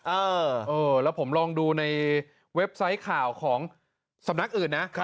เออแล้วผมลองดูในเว็บไซต์ข่าวของสำนักอื่นนะ